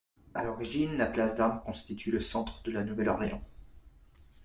À l'origine, la Place d'Armes constitue le centre de La Nouvelle-Orléans.